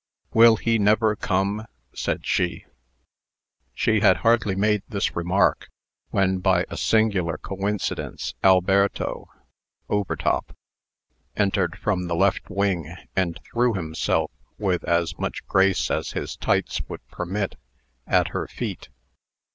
"Will he never come?" said she. She had hardly made this remark, when, by a singular coincidence, Alberto (Overtop) entered from the left wing, and threw himself, with as much grace as his tights would permit, at her feet.